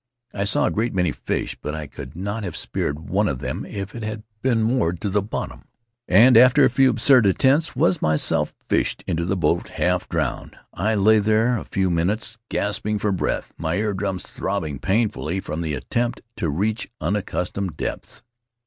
I saw a great many fish, but I could not have speared one of them if it had been moored to the bottom, and after a few absurd attempts was myself fished into the boat, half drowned. I lay there for a few minutes, gasping for breath, my ear drums throbbing painfully from the attempt to reach unaccustomed depths.